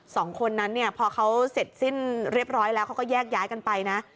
สองคนนั้นเนี่ยพอเขาเสร็จสิ้นเรียบร้อยแล้วเขาก็แยกย้ายกันไปนะ